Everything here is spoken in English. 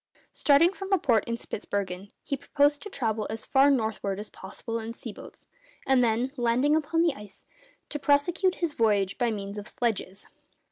Starting from a port in Spitzbergen, he proposed to travel as far northward as possible in sea boats, and then, landing upon the ice, to prosecute his voyage by means of sledges.